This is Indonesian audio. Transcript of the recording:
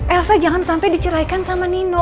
elsa jangan sampai diceraikan sama nino